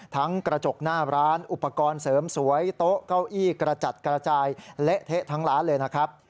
กระจกหน้าร้านอุปกรณ์เสริมสวยโต๊ะเก้าอี้กระจัดกระจายเละเทะทั้งร้านเลยนะครับ